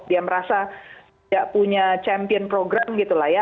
dia merasa tidak punya champion program gitu lah ya